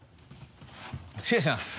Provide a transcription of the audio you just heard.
失礼します。